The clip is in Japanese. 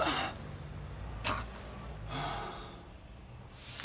ったく！